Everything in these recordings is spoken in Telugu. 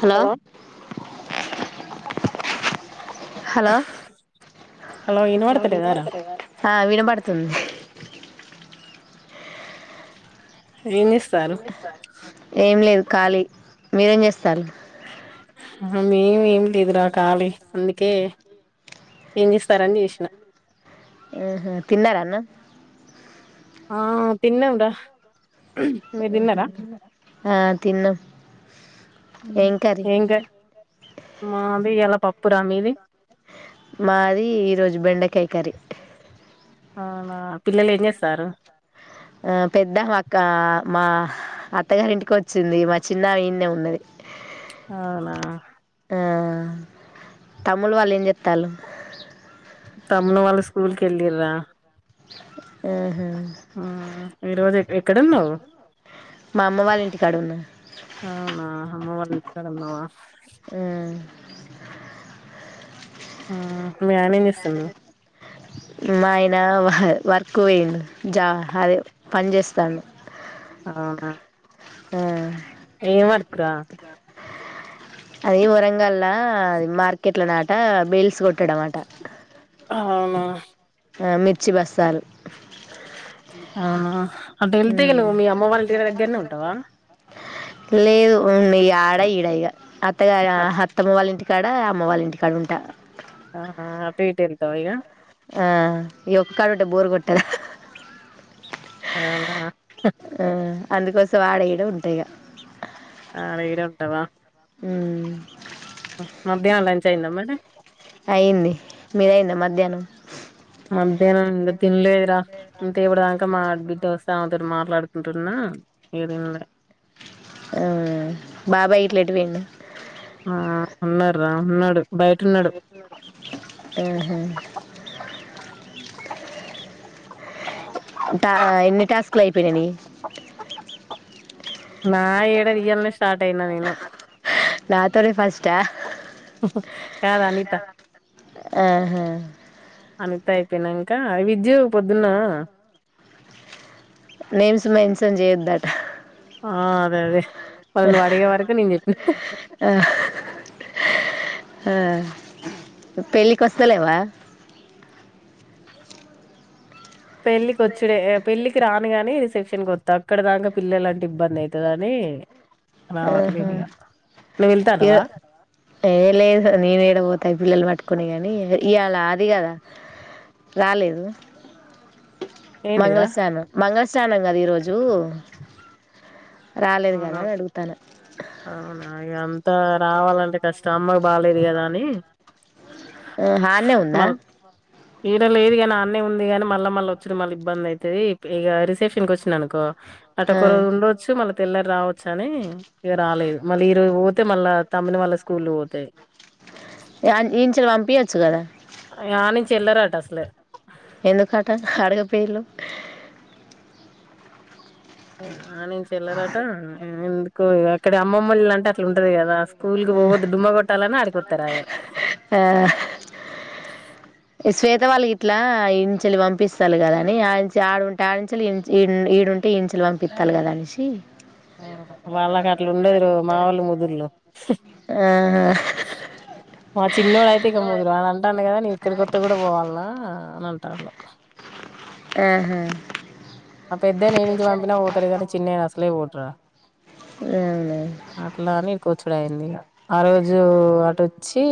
హలో హలో హలో ఇనపడతలేదారా ఆ వినబడుతుంది జనిస్ ఏం లేదు ఖాళీ మీరేం చేస్తారు మేమ ఏమి లేదురా కళి అందుకే ఏం చేస్తారని చేసిన తిినారను ఆ తిన్నాం రా మీరు తిన్నారా ఆ తిన్న ఎంగ మావి ఎలా పప్పురా మీది మాది ఈరోోజు బెండకాయకరి అవునా పిల్లలు ఏం చేస్తారు ఆ పెద్ద మా అక్క మా అత్తగారింటికి వచ్చింది మా చిన్న ఈన్నే ఉన్నది అవునా తమలు వళిం జత్తలు తమ్న వాళ్ళ స్కూల్ క వెళ్ళరరా ఈ ఆ ఈరోజు ఎక్కడ ఉన్నావు మామ్మ వాళ్ళ ఇంటి కాడు ఉన్న అవునా అమ్మ వంచి కడందవా ఆ మ్యానేంజ ఇస్తున్నా మా ఆయన వర్క్ వేయండు జా అదే పని చేస్తాను ఆ ఏ మాకురా అది వరంగల్లా అది మార్కెట్ లో నాట బీల్స్ కొట్టాడ అమాట అవునా మిర్చి బస్సాలు అవునా అంటే వెళ్తేగా మ్మ్ నువ్వు మీ అమ్మ వాళ్ళర దగ్గరనే ఉంటావా లేదు ఉన్నా ఆడ ఈడా ఇగా అత్తగ అత్తమ్మ వాళ్ళ ఇంటికి ఇ కాడ అమ్మ వాళ్ళ ఇంటికాడ ఉంటా ఆహా ఆ పీఠ ఎంతవ ఇక ఆ ఈ ఒక్క కాడు ఉంటే బోరు కొట్టదు అనా అందుకోసం వాడేయడం ఉంటాయి ఆ అైగర ఉంటావా ఉ మధ్యాహ్నం లంచ్ అయిందా మరి అయింది మీరయింది మధ్యాహ్నం మధ్యాహ్ంం తిలేదరా ఇంతే ఇబడదాక మ బిడ్డ వస్తాముతడు మాట్లాడుతుంటున్నా ఏదైం ఆ బాబా ఇట్లాంటి పోేడి ఆ ఉన్నాార ఉన్నాడు బయట ఉన్నాడు ఆహా అది ఎన్ని టాస్కులు అయిపోయినాయి నా ఏడ రియల్ని స్టార్టయినా నేను నాతోనే ఫాస్ట కాదు అనిత ఆహా అంతైపోయనంక విద్యు పొద్దున్న నేమ్స్ మన్సన్ చేయొద్దట ఆ అదే అదే మల్లనువ్ అడిగే వరకే నేను చెప్పిన ఆ, ఆ పెళ్ళికొస్తలేవా పెళ్ళికోచ్చుడే పెళ్ళికి రాను గని రిసెప్షనిక్కొత్త అక్కడ దాకా పిల్ల లాంటి ఇబ్బంది అయితదని ఏ రావట్లేనిగా ఇరో ఏ లేదు నినేదపోత్ క పిల్లలు పట్టుకునీ గనీ ఇవాళ అది కదా రాలేదు ఏంటిదిరా మంగళస్నానం మంగళస్నానం కదా ఈరోజు రాలేదు కదా అవునా అని అడుగుతాన ఆ రావాలంటే కష్టం అమ్మ ఆ హన్నే ఉందా ఇడ లేదు గనీ అన్న ఉంది గానీ మళ్ళా మళ్ళ ఒ స్తే మళ్ళ ఇబ్బంది అయిది ఇగ రిసెప్షన్కోచ్చిననుకో ఆ. అటొక్క రోజు ఉండొచ్చు మల్ల ల రావచ్చు అని ఇగ రాలేదు మళ్ళీ ఈరోజు పోతే మళ్ళా తమ్మిన వాళ్ళ స్కూల్ పోతాయి ఇగ ఆన్ ఇంచోళి పంపియొచ్చు గద ఇగ ఆనుచెల్లరటా అసలే ఎందుకట అడుగ పేలు ఇగ నుంచెల్లరాట ఎందుకో ఇగ ఇక్కడ అమ్మమ్మల్ అంటే అట్లు ఉంటది కదా స్కూల్ క పోద్దు డుమ్మ కొట్టాలని ఆడికొతారయే ఇ స్వేత్ త వల్లుగిట్ల ఇంచలి పంపిస్తల్లు కదా అని అంచె ఆడి ఆడుంటే ఆడించలి ఈడుంటే ఇంచలి పంపితల్లు గదా అనేసి ఆ వాళ్ళకి అట్లుండదురో మావాళ్ళు ముదుర్లు ఆ మా చిన్నోడు అయితే ఇంక ముదురు వాళ అంటాను కదా నీ ఇక్కడి కొత్త కూడా పోవాలన్నా అనన్ టాన్డు ఆహా మా పెద్దనా నుంచి పంపినా పోతాడు కానీ చిన్నేన అసలే పొడ్రా అవునా అట్లానీ కూర్చుడు అయింది ఇగ ఆ రోజు అటోచ్చి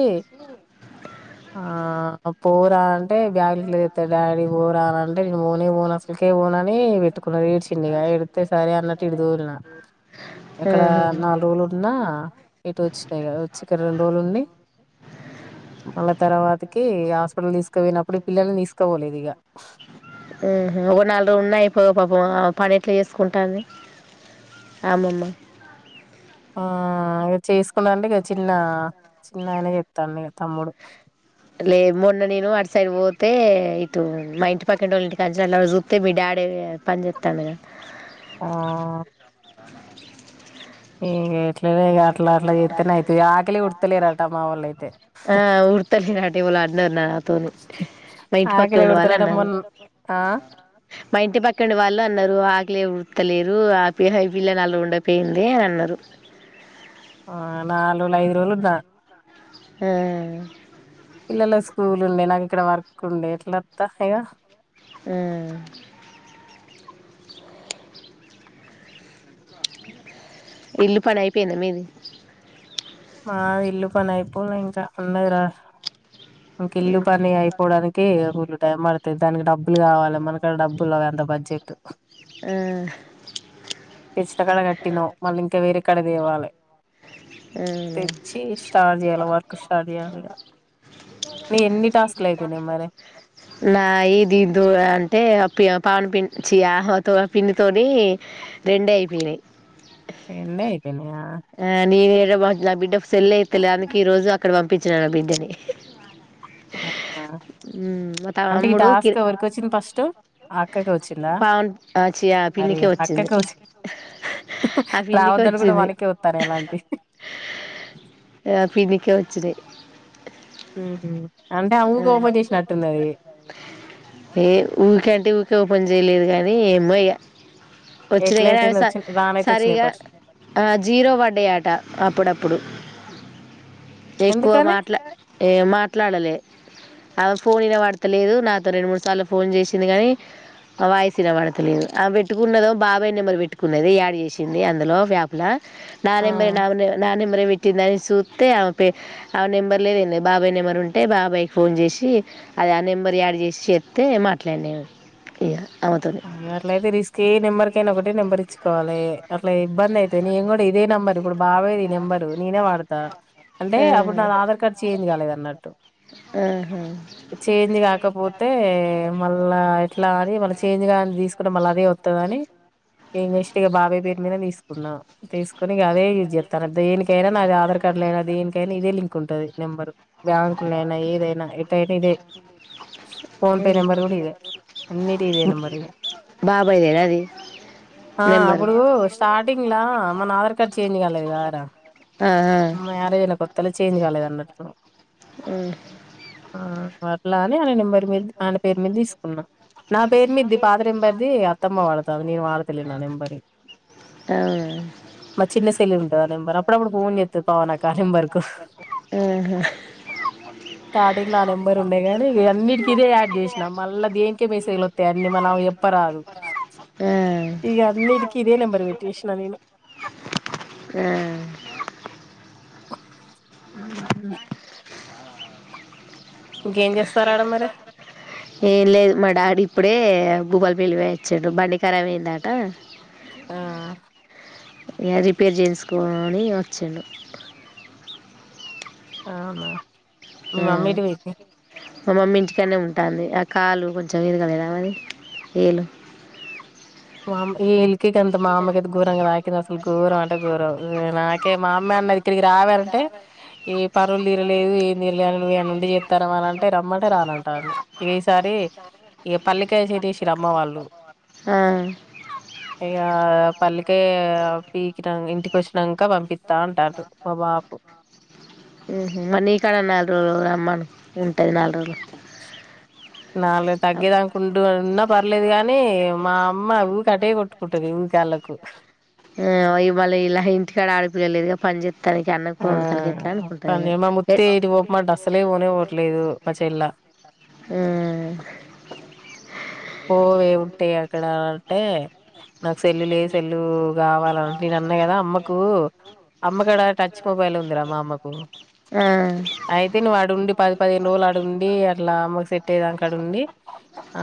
ఆ పోరా అంటే బ్యాగులేత డాడీ పోరా అంటే నేను పోనే పోను అసలకే పోన మే పెట్టుకున్నారు ఏడ్చిందిగా ఎడితే సరే అన్నట్టు ఇటుతోల్న ఎక్కడ ఆహా నాల్రోజులున్నా ఇటు ఒచ్ తే కద ఒచ్చి ఇక్కడ రొండు రోలుంది మళ్ళా తర్వాతకిఇ గ హాస్పిటల్ తీసుకపోయినప్పుడు పిల్లల్ని తీసుకోపోలేదు ఇగ ఉహు ఒక నాలురోలు ఉన్నాయి పాపం పని ఎట్లా చేసుకుంటాంది అమ్మమ్మ ఆ ఇగ చేసుకుటంటె ఇక చిన్న చిన్న ఆయన చిత్తండు ఇగ తమ్ముడు లే మొన్న నేను అటు సైడ్ పోతే ఇటు మా ఇంటి పక్కకింటి వాళ్ళ ఇంటికి కంచ సుత్తె మీ డాడే ఏ పంచేతంగా ఆ [unintelligible] ఇ [unintelligible] ఉడతలేరట మా వోళ్ళయితే ఆ వృత్తలేనట్ ఎవలో అన్నారు నాతోని మా ఇంటి ఆకలే పక్కనీ ఉడతలేరట వాళ్లన్నారు మొన్ అన్నారు ఆ మా ఇంటి పక్కనీ వాళ్ళు అన్నారు ఆకిలే వుడ్ అత్తలేరు ఆ ప హై పిల్ల నల ఉంండ అయిపోయింది అని అన్నారు ఆ నాలుగుల ఐదు రోజులుద్దా ఆ పిల్లల స్కూల్ ఉండే నాకు ఇక్కడ వర్క్ ఉండే ఎట్లాత్తాద ఆ ఇల్లు పని అయిపోయినా మీది మా ఇల్లు పని అయిపోనా ఇంకా ఉన్నరా ఇంకా ఇల్లు పని అయిపోవడానికి ళ్లు టైం పడుతుంది దానికి డబ్బు లు కావాలి మనకుడ డబ్బులు ఎంత బడ్జెట్ ఆ, ఆ. పచ్చిత కడ కట్టిన మళ్ళీ ఇంకా వేరే కడ దేవాలి తెచ్చి స్టార్ట్ చేయాలి వర్క్ స్టార్ట్ చేయాలి ఇ నా ఇదిదు అంటే అప్పుి అ పావన్ పిం చయాతో పిండితో రెండే అయిపోయినాయి నందే ఇతేనే ఆ నేను నా బిడ్డ సెల్ అయితేలే అందుక ఈ రోజు అక్కడ పంపించ చ్చన బిందని అంటే ఈ తమ్ముడు టాస్క్ కి- ఎవరిక వచ్చింది ఫస్ట్ అక్క కౌచిందా పావన్ ఆ, చి- ఆ అరి పిన్నికే అక్క వచ్చింది కౌచి ఆ పిన్నికే రావద్దని కూడా వచ్చింది మనకే వస్తారు ఎలాంటి మాక్ వచ్చినాఐ ఉహు అంటే ఆ ఊక ఓపెన్ చేసినట్టున్నది ఏ ఊ పని చేయలేదు కానీ ఏమో వచ్చినా కానీ ఆమె ఎట్లయితేంది స వచ్చి రానైతే వచ్చినాయి సరిగా పర్స్ ఆ జీరో పడ్డ ఆట అప్పుడప్పుడు ఎక్కువ ఎందుకని మాట్లా మాట్లాడలే అ ఫోన్నా వాడతలేదు నాతో రెండు మూడు సార్లు ఫోన్ చేసింది కానీ వాయిసినమాడ తెలిదు ఆ పెట్టుకున్నదో బాబాయ్ నెంబర్ పెట్టుకున్నది యాడ్ చేసింది అందులో వేపల నా ఆ నెంబర్ నా నా నెంబర్ పెట్టు ట్ందని చూస్తే ఆమె ఆ నెంబర్ లేద బాబయ్ నెంబర్ ఉంటే బాబాయి అబ్బాయికి ఫోన్ చేసి అది ఆ నెంబర్ యాడ్ చేసి చెప్తే మాట్లాడినాము ఇక ఆమెతోని అ వాట్లాయితే రిస్క్ ఏ నెంబర్ ఎకైనా ఒకే నెంబర్ ఇచ్చుకోవాలి అట్లా ఇబ్బంది అయితే నేను కూడా ఇే నంబర్ ఇప్పుడు బాది ఈ నెంబరు నేనే వాడతా అంటే అప్పుడు నా ఆధార్ కార్డు చేంజ్ కాలేదు అన్నట్టు చేజ్ కాకపోతే మళ్ళా ఎట్లా అని మళ్ళ చేంజ్ గా తీసుకున్నా మళ్ అదే అతుద అని నక్స్ట్గా బాబాయ్ పేరు మీద తీసుకున్నా తీసుకు కని అదే యూజ్ చేస్తా దేనికైనా నాది ఆధార్ కార్డ్ లో అయి దేనికైనా ఇద ంక్ ఉంటుది నెంబర్ బ్యాంక్ దనా ఇదే ఫోన్ పే నబర్ కూడా ఇే అ బాబయలురాది ఆ అప్పుడు స్టార్టింగ్ లా మనదర్ చేంజ్ కాలేదు కద రా ఆహా మ్యారేజ్యినా కొత్తలో చేంజ్ కాలేదు అన్నట్లు ఆ అలా అని ఆన నెంబర్ మీద ఆయన పేరు మీద తీసుకున్నా నా పేరు మీద్ది పాతెంబర్ది అత్తమ్మ వాళ్డత నేను వాళ్డ తెలి నా ఎంబరి అవునా మ చిన్న సైలి ఉంటద నెంబర్ అప్పుడు అప్పుడు ఫోన్ చెత్ పవనాక నెంబర్కు ఆహా స్టార్టింగ్ లో ఆ నెంబర్ ఉండే ని అన్నిటికిీదే యాడ్ చేసినాం మళ్ళా దేనికే మేసేలు వా అన్ని మన ఎప్పరాదు ఆ ఈగ హన్నిటికి ఇదే నెంబర్ విట్ కష్ నా నేను ఆ ఆ చేస్తారు ఆడ మరి ఏ లేదు మడా అడి ఇప్పుడే భూపాలపెల్లి పోయోచిన్రు బండి కరబైయిందట ఆ ఇగ రిపేర్ చేయించుకొని ఒచ్చిండు అవునా మీ ఆ మమ్మేటు వోయింది మా మమ్మీ ఇంటికన్నే ఉంటుంది ఆ కాలూ కొంచెం ఇరగలేదా అవేది ఏలు మామ్ ఈ ఇలికేగంత మా అమ్మకైతే గోరంగా తాకింది అసలు గోరం అంటే గోరం నాకే మా అమ్మే అన్నది ఇక్కడికి రావే అంటే ఏ పరువులు తీరలేదు ఏం తీరలేని నువ్వు ఏడుంటే చెత్తనవా అని అంటే రమ్మంటే రానంటంది ఇగ ఈ సారి రి పల్లికాయ చేటెసిరమ్మ వాళ్ళు ఆ ఇగ పల్లికాయి పీకిన ఇంటికోచ్చినాం ఉహు మరి నీ కాడనన్న నాలుగు రోజులు రమ్మను ఉంటుంది నాల్ రోజులు నాలు తగ్గేదానికిండు ఉన్నా పర్లేదు గానీ మా అమ్మ ఊకే అటే కొట్టుకుంటది ఊ గాల్లాకు ఆ ఇవాళ ఇలా ఇంటికాడ ఆడపిల్లలు లేదు గా పంజె తనికి అన్నం ఆ కూర ఉండతనికి ఎట్లా అనుకుంటదిగా తను మా ముత్తే ఎటు పోమంటే అస్సలే పోనే పోవట్లేదు మా చెల్ల ఏ ఉ పోవే ఉంటాయి అక్కడ అంటే నాకు సెల్లు లే సెల్లు కావాల నేను అన్న కదా అమ్మకు అమ్మకాడ టచ్ మొబైల్ ఉందిరా మా అమ్మకు ఆ అయితే నువ్వు అడుండి పది పదిహేను రోజులు అడుండి అట్లా అమ్మకు సెట్టయ్యేదాకా అడుండి ఆ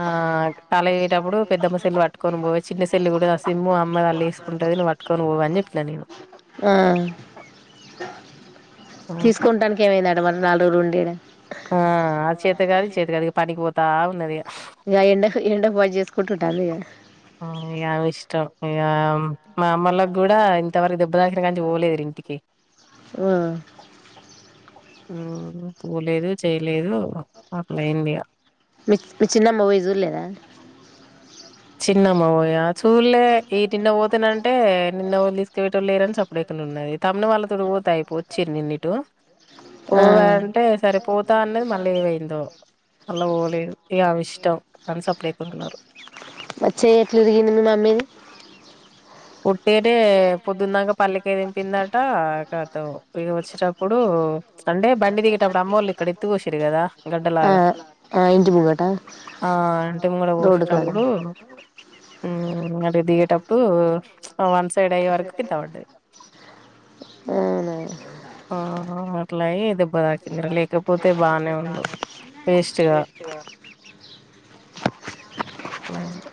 కాలేజ్ వోయేటప్పుడు పెద్దమ్మ సెల్లు పట్టుకొని పోవే చిన్న సెల్లు కూడా ఆ సిమ్ము మ్ము అమ్మది అల్లా ఎసుకుంటది నువ్ పట్టుకొని పోవ్ అని చెప్పిన నేను ఆ తీసుకుంటానికి ఏమైందటా మరి నాల్ రోజులు ఉండి ఇడా ఆ అద్ చేతకాదు ఇద్ చేతకాదు ఇగ పనికిపోతా ఉన్నది ఇగ ఆ ఇగ ఇక ఎండకు ఎండకు పని చేసుకుంటుంటాంది ఇగ ఆమె ఇష్టం ఇగ మా అమ్మల్లోకి కూడా ఇంతవరకు దెబ్బతాకిన కాంచి పోలేదురా ఇంటికి ఉ ఆ హ్మ్ పోలేదు చేయలేదు అట్లైందిగా మీ చిన్నమ్మ వోయి జూడ్లేదా చిన్నమ్మ వోయా చూళ్లే ఈ నిన్న పోతునంటే నిన్న ఏవళ్ళు తీసుకవోయేటోల్లూ లేరని సప్పుడేకనే ఉన్నది తమ్ముణ్ణివాళ్ వాళ్ళ తోని పోతే అయిపో వచ్చిరు నిన్న ఇటూ పోవే అంటే సరే పోతా అన్నది మళ్ళ ఏవైయిందో అల్లా వోలేదు ఇగ ఆమె ఇష్టం అని సప్పుడేకుంన్నారు చేయి ఎట్లా ఇరిగింది మీ మమ్మీది ఉట్టిగానే పొద్దునదంక పల్లికాయి దెంపిందంటా కా ఖాతం ఇగ వచ్చటప్పుడు అంటే బండి దిగేటప్పుడు అమ్మోళ్ళు ఇక్కడ ఎత్తువో షిన్రూ కదా ఆ గడ్డలాగా ఆ ఇంటి ముంగట ఆ అంటే మూల రోడ్డు కాడ పోషేటప్పుడు హ్మ్ అటు దిగేటప్పుడు ఆ వన్ సైడ్ అయ్యే వరకు కిందవడ్డది అవునా ఆ అట్లాయి [unintelligible] చెప్పుకుంటే బాధా అయితది వేస్ట్ రా అట్లయింది